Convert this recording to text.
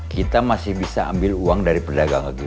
kita masih bisa ambil uang dari perdagang ke g lima